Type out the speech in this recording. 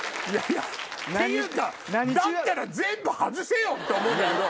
ていうかだったら全部外せよ！って思うんだけど。